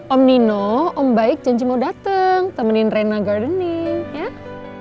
om nino om baik janji mau datang temenin rena gardening ya